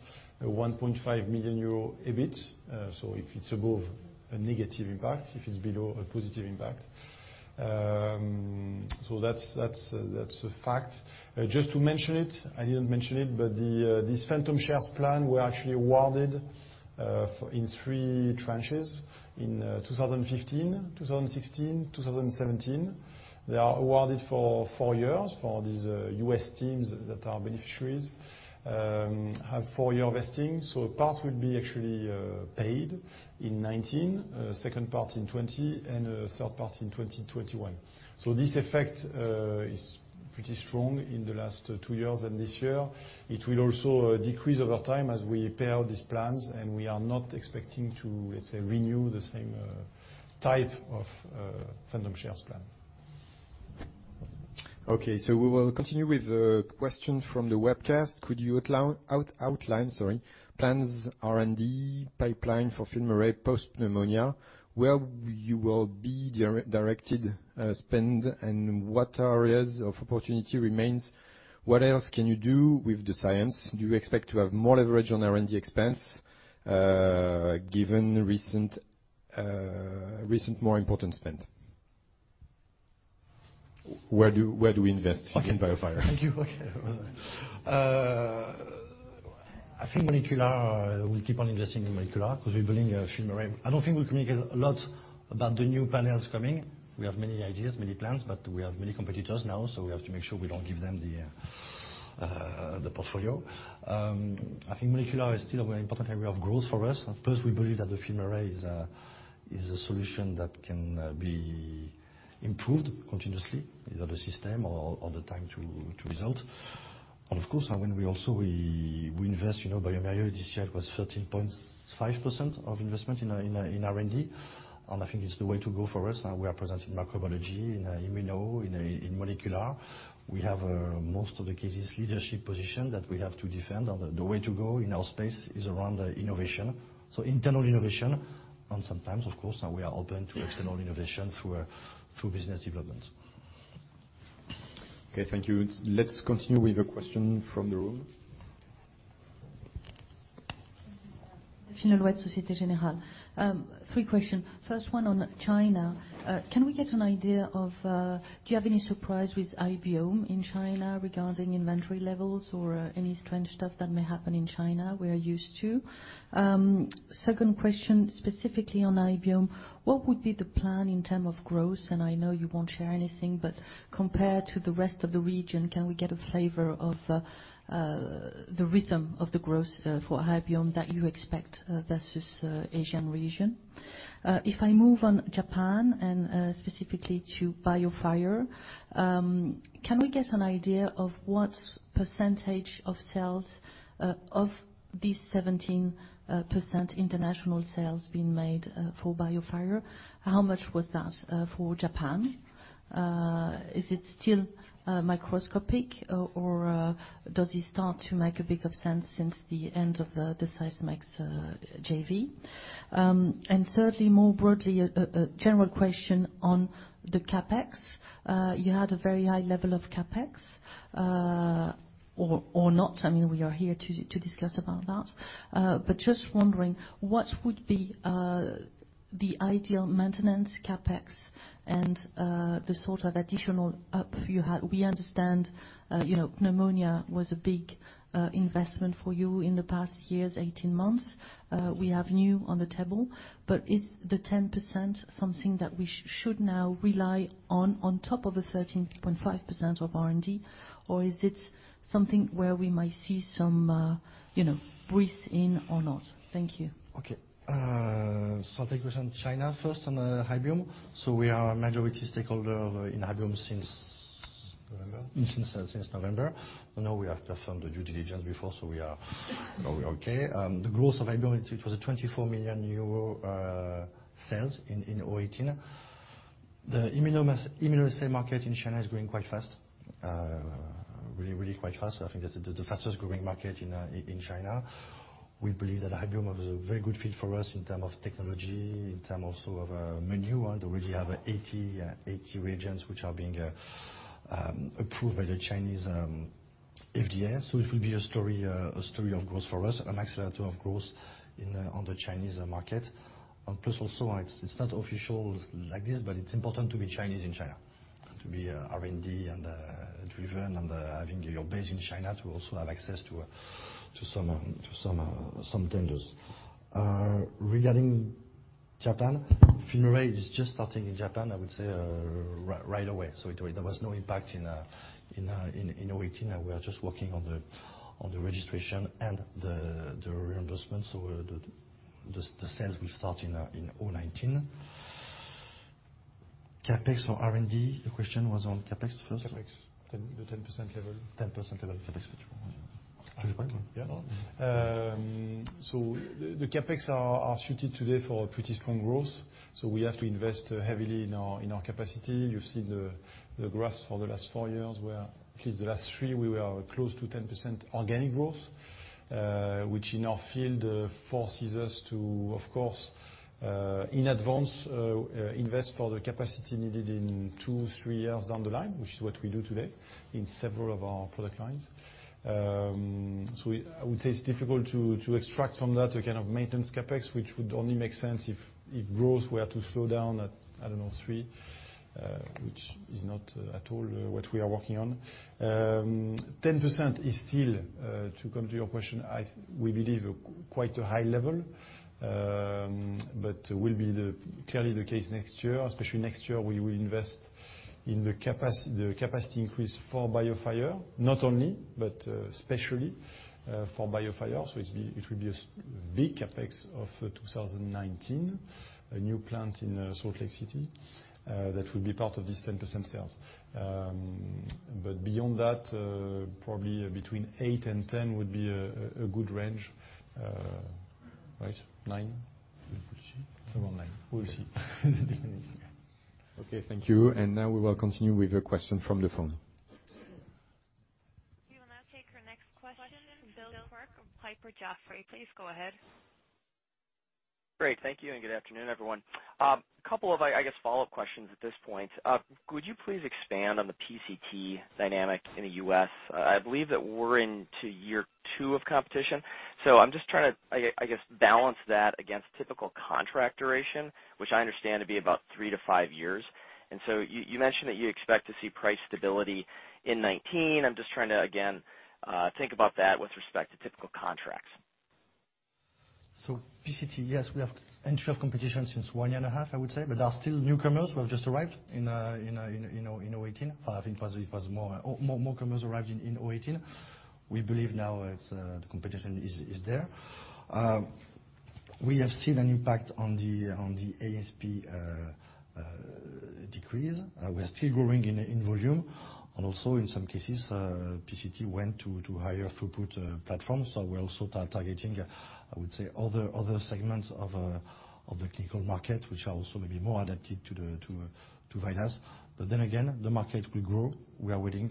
a 1.5 million euro EBIT. If it's above, a negative impact, if it's below, a positive impact. That's a fact. Just to mention it, I didn't mention it, this phantom shares plan were actually awarded in three tranches in 2015, 2016, 2017. They are awarded for four years for these U.S. teams that are beneficiaries, have four-year vesting. A part will be actually paid in 2019, second part in 2020, and third part in 2021. This effect is pretty strong in the last two years and this year. It will also decrease over time as we pay out these plans, we are not expecting to, let's say, renew the same type of phantom shares plan. We will continue with a question from the webcast. Could you outline, sorry, plans R&D pipeline for FilmArray post-pneumonia, where you will be directed spend, what areas of opportunity remains? What else can you do with the science? Do you expect to have more leverage on R&D expense given recent more important spend? Where do we invest in BioFire? Thank you. Okay. I think molecular, we'll keep on investing in molecular because we're building a FilmArray. I don't think we communicate a lot about the new panels coming. We have many ideas, many plans, but we have many competitors now, so we have to make sure we don't give them the portfolio. I think molecular is still an important area of growth for us. First, we believe that the FilmArray is a solution that can be improved continuously, either the system or the time to result. Of course, when we also invest, bioMérieux this year was 13.5% of investment in R&D. I think it's the way to go for us. We are present in microbiology, in immuno, in molecular. We have a, most of the cases, leadership position that we have to defend, and the way to go in our space is around innovation. Internal innovation, and sometimes, of course, now we are open to external innovation through business development. Okay, thank you. Let's continue with a question from the room. Societe Generale. Three question. First one on China. Can we get an idea of, do you have any surprise with Hybiome in China regarding inventory levels or any strange stuff that may happen in China we are used to? Second question, specifically on Hybiome, what would be the plan in term of growth? I know you won't share anything, but compared to the rest of the region, can we get a flavor of the rhythm of the growth for Hybiome that you expect versus Asian region? If I move on Japan and specifically to BioFire, can we get an idea of what percentage of sales of these 17% international sales being made for BioFire? How much was that for Japan? Is it still microscopic or does it start to make a bit of sense since the end of the Sysmex JV? Thirdly, more broadly, a general question on the CapEx. You had a very high level of CapEx. Not, I mean, we are here to discuss about that. Just wondering, what would be the ideal maintenance CapEx and the sort of additional up you had? We understand Pneumonia was a big investment for you in the past years, 18 months. We have new on the table. Is the 10% something that we should now rely on top of the 13.5% of R&D, or is it something where we might see some breeze in or not? Thank you. Okay. I'll take question China first on Hybiome. We are a majority stakeholder in Hybiome since November? Since November. We have done some due diligence before, we are okay. The growth of Hybiome, it was a 24 million euro sales in 2018. The immunoassay market in China is growing quite fast. Really quite fast. I think that's the fastest-growing market in China. We believe that Hybiome is a very good fit for us in term of technology, in term also of menu. They already have 80 reagents which are being approved by the Chinese FDA. It will be a story of growth for us, an accelerator of growth on the Chinese market. Plus also, it's not official like this, but it's important to be Chinese in China, to be R&D-driven and having your base in China to also have access to some tenders. Regarding Japan, FilmArray is just starting in Japan, I would say, right away. There was no impact in 2018. We are just working on the registration and the reimbursement, the sales will start in 2019. CapEx or R&D, your question was on CapEx first? CapEx. The 10% level. 10% level. CapEx. The CapEx are suited today for pretty strong growth. We have to invest heavily in our capacity. You see the graphs for the last four years, where at least the last three, we were close to 10% organic growth, which in our field, forces us to, of course, in advance, invest for the capacity needed in two, three years down the line, which is what we do today in several of our product lines. I would say it's difficult to extract from that a kind of maintenance CapEx, which would only make sense if growth were to slow down at, I don't know, three, which is not at all what we are working on. 10% is still, to come to your question, we believe, quite a high level, but will be clearly the case next year. Especially next year, we will invest in the capacity increase for BioFire, not only, but especially for BioFire. It will be a big CapEx of 2019, a new plant in Salt Lake City that will be part of this 10% sales. Beyond that, probably between eight and 10 would be a good range. Right? Nine? We will see. Around nine. We will see in the beginning. Okay, thank you. Now we will continue with a question from the phone. We will now take our next question from Bill Quirk of Piper Jaffray. Please go ahead. Great. Thank you and good afternoon, everyone. Couple of, I guess, follow-up questions at this point. Could you please expand on the PCT dynamic in the U.S.? I believe that we're into year two of competition, I'm just trying to, I guess, balance that against typical contract duration, which I understand to be about three to five years. You mentioned that you expect to see price stability in 2019. I'm just trying to, again, think about that with respect to typical contracts. PCT, yes. We have entry of competition since one year and a half, I would say, but there are still newcomers who have just arrived in 2018. I think it was more newcomers arrived in 2018. We believe now the competition is there. We have seen an impact on the ASP decrease. We are still growing in volume, and also in some cases, PCT went to higher throughput platform. We're also targeting, I would say other segments of the clinical market, which are also maybe more adapted to the VIDAS. The market will grow. We are waiting,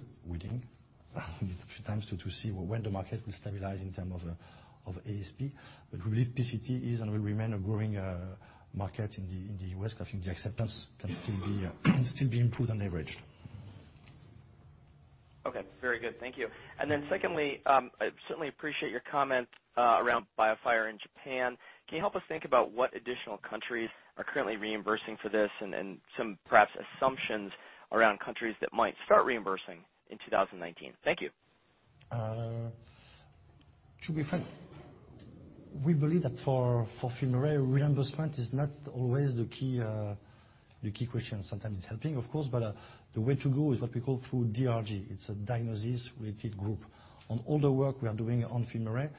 a few times to see when the market will stabilize in terms of ASP. We believe PCT is and will remain a growing market in the U.S. because I think the acceptance can still be improved and averaged. Okay. Very good. Thank you. Secondly, I certainly appreciate your comment around BioFire in Japan. Can you help us think about what additional countries are currently reimbursing for this and some perhaps assumptions around countries that might start reimbursing in 2019? Thank you. To be frank, we believe that for FilmArray, reimbursement is not always the key question. Sometimes it's helping, of course, but the way to go is what we call through DRG. It's a diagnosis-related group. All the work we are doing on FilmArray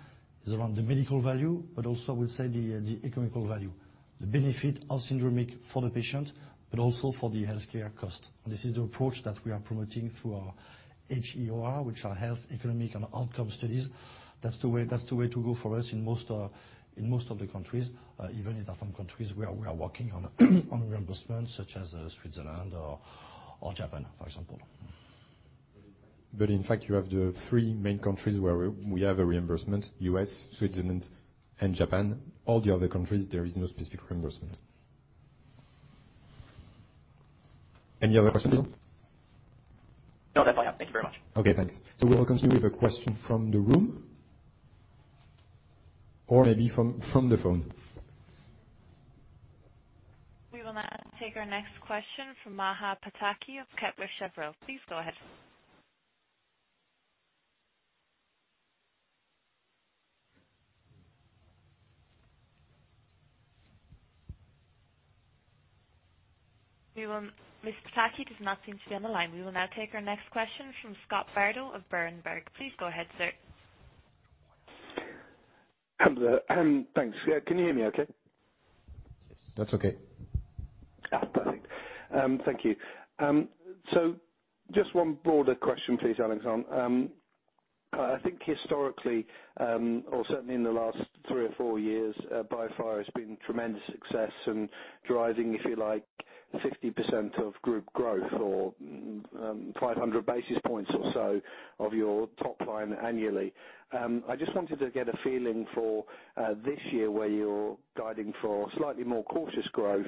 is around the medical value, but also we say the economical value. The benefit of syndromic for the patient, but also for the healthcare cost. This is the approach that we are promoting through our HEOR, which are health economic and outcome studies. That's the way to go for us in most of the countries, even in some countries where we are working on reimbursement such as Switzerland or Japan, for example. In fact, you have the three main countries where we have a reimbursement, U.S., Switzerland, and Japan. All the other countries, there is no specific reimbursement. Any other questions? No, that's all. Thank you very much. Okay, thanks. We welcome you with a question from the room or maybe from the phone. We will now take our next question from Maja Pataki of Kepler Cheuvreux. Please go ahead. Ms. Pataki does not seem to be on the line. We will now take our next question from Scott Bardo of Berenberg. Please go ahead, sir. Thanks. Yeah, can you hear me okay? Yes, that's okay. Perfect. Thank you. Just one broader question, please, Alexandre. I think historically, or certainly in the last three or four years, BioFire has been tremendous success and driving, if you like, 60% of group growth or 500 basis points or so of your top line annually. I just wanted to get a feeling for this year where you're guiding for slightly more cautious growth.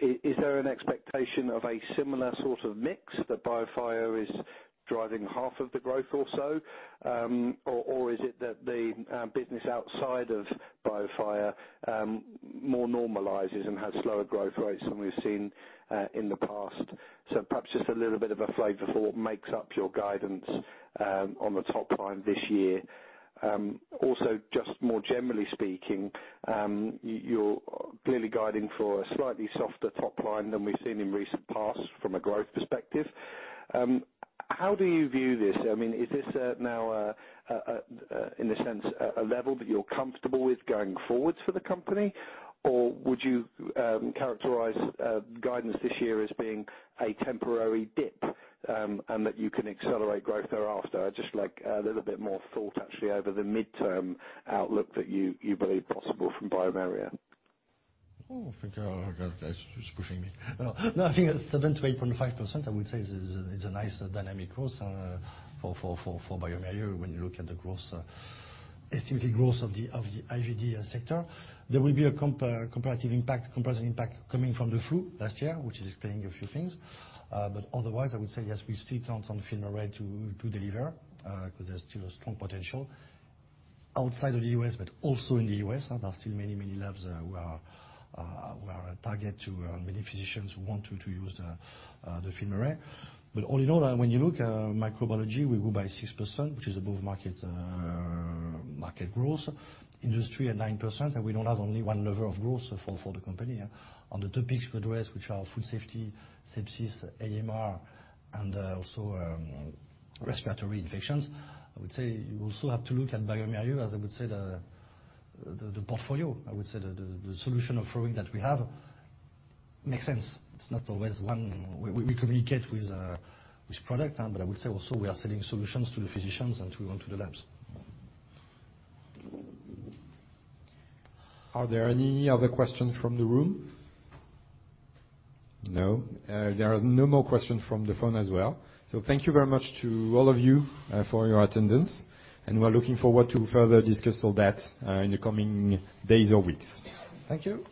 Is there an expectation of a similar sort of mix that BioFire is driving half of the growth or so? Or is it that the business outside of BioFire more normalizes and has slower growth rates than we've seen in the past? Perhaps just a little bit of a flavor for what makes up your guidance on the top line this year. Just more generally speaking, you're clearly guiding for a slightly softer top line than we've seen in recent past from a growth perspective. How do you view this? Is this now, in a sense, a level that you're comfortable with going forward for the company? Or would you characterize guidance this year as being a temporary dip, and that you can accelerate growth thereafter? I'd just like a little bit more thought actually over the midterm outlook that you believe possible from bioMérieux. Thank you. It's pushing me. I think 7 to 8.5%, I would say, is a nice dynamic growth for bioMérieux when you look at the estimated growth of the IVD sector. There will be a comparative impact coming from the flu last year, which is explaining a few things. Otherwise, I would say yes, we still count on FilmArray to deliver, because there's still a strong potential outside of the U.S. but also in the U.S. There are still many labs where our target to many physicians who want to use the FilmArray. All in all, when you look at microbiology, we grew by 6%, which is above market growth. Industry at 9%, and we don't have only one level of growth for the company. On the topics you address, which are food safety, sepsis, AMR, and also respiratory infections, I would say you also have to look at bioMérieux, as I would say the portfolio. I would say the solution offering that we have makes sense. It's not always one We communicate with product. I would say also, we are selling solutions to the physicians and to the labs. Are there any other questions from the room? No. There are no more questions from the phone as well. Thank you very much to all of you for your attendance, we are looking forward to further discuss all that in the coming days or weeks. Thank you.